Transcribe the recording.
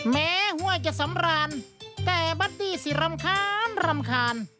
ห้วยจะสำราญแต่บัตตี้สิรำคาญรำคาญ